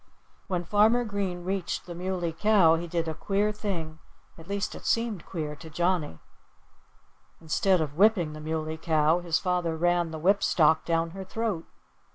When Farmer Green reached the Muley Cow he did a queer thing. At least it seemed queer to Johnnie. Instead of whipping the Muley Cow, his father ran the whip stock down her throat!